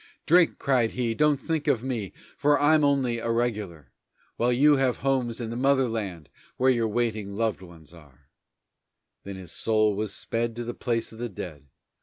Drink! cried he; don't think of me, for I'm only a regular, While you have homes in the mother land where your waiting loved ones are. Then his soul was sped to the peace of the dead.